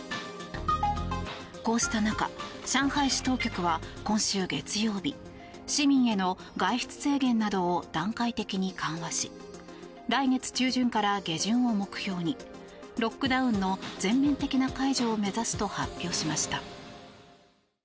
こうした中、上海市当局は今週月曜日市民への外出制限などを段階的に緩和し来月中旬から下旬を目標にロックダウンの全面的な解除を目指すと発表しました。